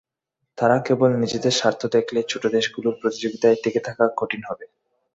তারা কেবল নিজেদের স্বার্থ দেখলে ছোট দেশগুলোর প্রতিযোগিতায় টিকে থাকা কঠিন হবে।